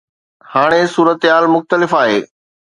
هاڻي صورتحال مختلف آهي.